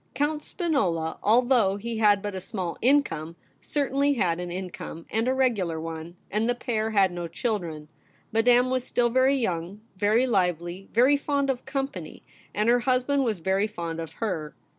Count Spinola, although he had but a small income, certainly had an income, and a regular one ; and the pair had no children, Madame was still very young, very lively, very fond of company, and her husband was very fond of her.